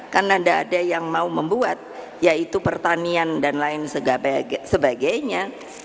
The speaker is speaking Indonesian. karena tidak ada yang mau membuat yaitu pertanian dan lain sebagainya